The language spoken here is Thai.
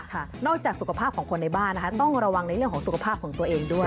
นอกจากสุขภาพของคนในบ้านนะคะต้องระวังในเรื่องของสุขภาพของตัวเองด้วย